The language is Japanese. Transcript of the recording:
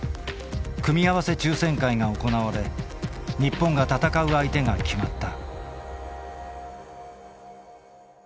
組み合わせ抽せん会が行われ日本が戦う相手が決まった。